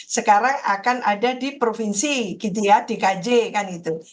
sekarang akan ada di provinsi gitu ya di kj kan gitu